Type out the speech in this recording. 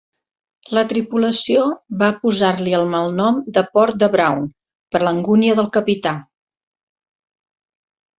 La tripulació va posar-li el malnom de "Port de Brown", per a l'angúnia del capità.